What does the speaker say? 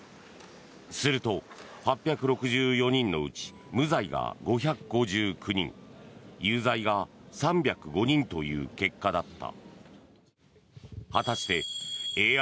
すると、８６４人のうち無罪が５５９人有罪が３０５人という結果だった。